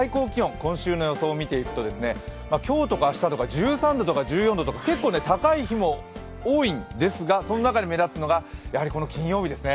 今週の予想とみていくと今日とか明日１３度とか１４度とか、結構高い日も多いんですがその中で目立つのが、やはり金曜日ですね。